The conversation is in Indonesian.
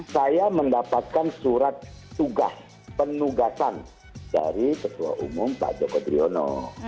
saya mendapatkan surat tugas penugasan dari ketua umum pak joko driono